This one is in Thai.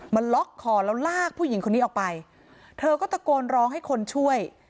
มาล็อกคอแล้วลากผู้หญิงคนนี้ออกไปเธอก็ตะโกนร้องให้คนช่วย